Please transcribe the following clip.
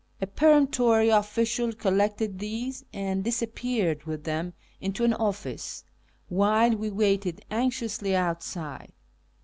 A peremptory official collected these and disappeared with them into an office, while we waited anxiously outside.